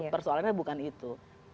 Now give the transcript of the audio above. persoalannya bukan itu